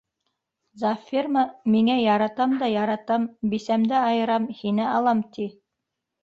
Завферма миңә яратам да яратам, бисәмде айырам, һине алам, ти...